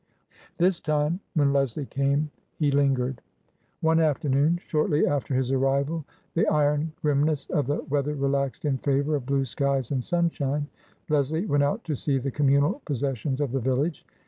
^P ^P ^P ^^ ^P T* ^P ^^ This time, when Leslie came he lingered. TRANSITION. 319 One afternoon, shortly after his arrival, the iron grim ness of the weather relaxed in favour of blue skies and sunshine. Leslie went out to see the communal posses sions of the village.